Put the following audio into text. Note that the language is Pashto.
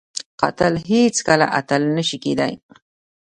قاتل هیڅ کله اتل نه شي کېدای